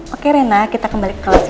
oke rena kita kembali ke kelas ya